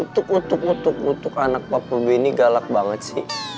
utuk utuk utuk utuk anak papu binny galak banget sih